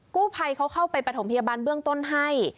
กู้ภัยเขาเข้าไปประถมพยาบาลเบื้องต้นให้